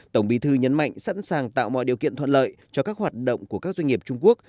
tổng bí thư nhấn mạnh sẵn sàng tạo mọi điều kiện thuận lợi cho các hoạt động của các doanh nghiệp trung quốc